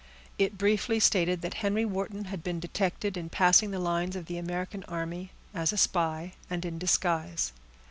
It briefly stated that Henry Wharton had been detected in passing the lines of the American army as a spy, and in disguise.